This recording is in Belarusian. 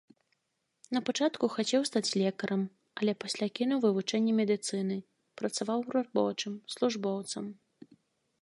Напачатку хацеў стаць лекарам, але пасля кінуў вывучэнне медыцыны, працаваў рабочым, службоўцам.